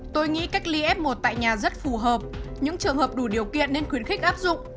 tôi nghĩ cách ly f một tại nhà rất phù hợp những trường hợp đủ điều kiện nên khuyến khích áp dụng